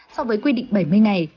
so với quy định bảy mươi ngày